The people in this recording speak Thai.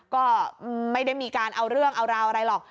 ก็ไม่ได้มีการเอาเรื่องเอาราวอะไรหรอก